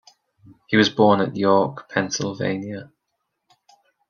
He was born at York, Pennsylvania.